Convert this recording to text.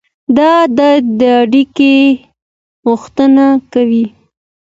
دا درد د اړیکې غوښتنه کوي.